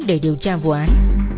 để điều tra vụ án